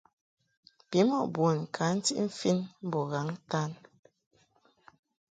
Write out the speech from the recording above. Bimɔʼ bun ka ntiʼ mfin mbo ghaŋ-ntan.